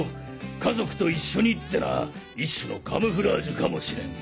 家族と一緒にってのは一種のカムフラージュかもしれん。